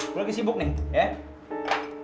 gue lagi sibuk nih ya